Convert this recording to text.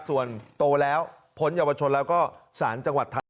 ส่วนโตแล้วพ้นเยาวชนแล้วก็สารจังหวัดไทย